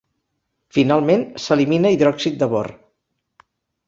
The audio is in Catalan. Finalment, s’elimina hidròxid de bor.